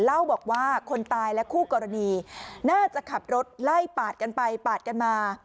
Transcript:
เล่าบอกว่าคนตายและคู่กรณีน่าจะขับรถไล่ปาดกันไปปาดกันมา